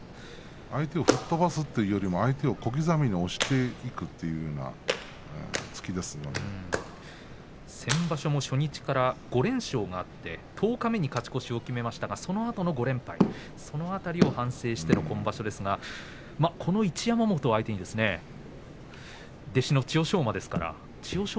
相手を吹っ飛ばすというよりも、相手を小刻みに押して先場所も初日から５連勝があって十日目に勝ち越しを決めましたが、そのあとの５連敗その辺りを反省しての今場所ですがこの一山本を相手に弟子の千代翔馬ですから千代翔